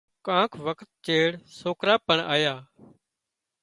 ڪانڪ وکت چيڙ سوڪرا پڻ آيا